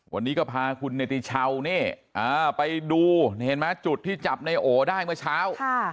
วันนี้ก็พาคุณเนติชาวนี่ไปดูเห็นไหมจุดที่จับในโอได้เมื่อเช้า